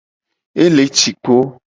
Ele ci kpo.